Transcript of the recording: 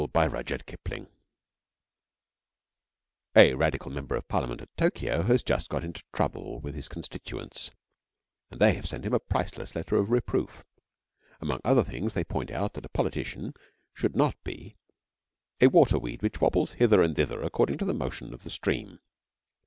SOME EARTHQUAKES A Radical Member of Parliament at Tokio has just got into trouble with his constituents, and they have sent him a priceless letter of reproof. Among other things they point out that a politician should not be 'a waterweed which wobbles hither and thither according to the motion of the stream.'